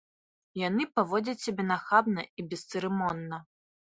Яны паводзяць сябе нахабна і бесцырымонна.